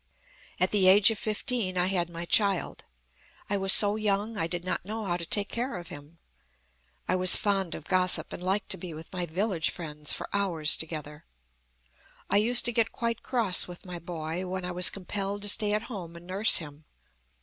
"At the age of fifteen I had my child. I was so young I did not know how to take care of him. I was fond of gossip, and liked to be with my village friends for hours together. I used to get quite cross with my boy when I was compelled to stay at home and nurse him.